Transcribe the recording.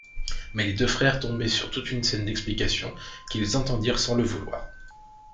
Mais les deux frères tombaient sur toute une scène d'explication, qu'ils entendirent sans le vouloir.